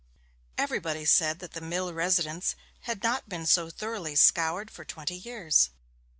Everybody said that the mill residence had not been so thoroughly scoured for twenty years.